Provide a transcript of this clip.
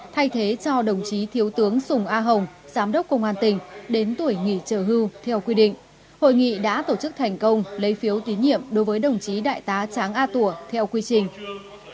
thay thế cho đồng chí thiếu tướng sùng a hồng giám đốc công an tỉnh đến tuổi nghỉ trở hưu theo quy định hội nghị đã tổ chức thành công lấy phiếu tín nhiệm đối với đồng chí đại tá tráng a tủa theo quy trình